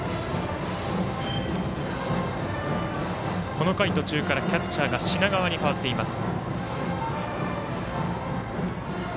この回途中から、キャッチャーが品川に代わっています。